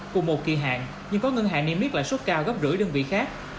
cùng một kỳ hạn nhưng có ngân hàng niêm yết lãi suất cao gấp rưỡi đơn vị khác